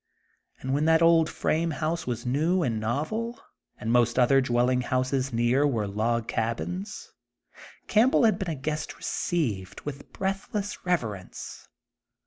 And when that bid frame house was new and novel, and most other dwelling houses near were log cabins, Campbell had been a guest received with breathless reverence.